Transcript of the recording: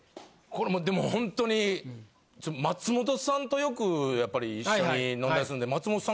これもでも本当に松本さんとよくやっぱり一緒に飲んだりするんで。